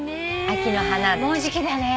もうじきだね。